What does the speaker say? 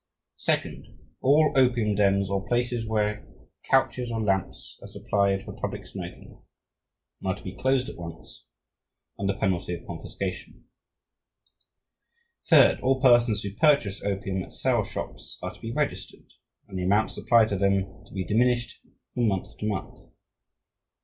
Second, all opium dens or places where couches or lamps are supplied for public smoking are to be closed at once under penalty of confiscation. Third, all persons who purchase opium at sale shops are to be registered, and the amount supplied to them to be diminished from month to month.